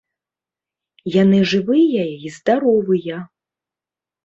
Яны жывыя і здаровыя.